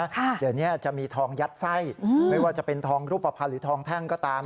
เดี๋ยวนี้จะมีทองยัดไส้ไม่ว่าจะเป็นทองรูปภัณฑ์หรือทองแท่งก็ตาม